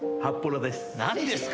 何ですか？